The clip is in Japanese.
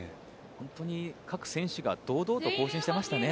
本当に各選手が堂々と行進していましたね。